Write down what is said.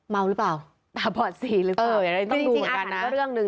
เมาหรือเปล่าตาปอดสีหรือเปล่า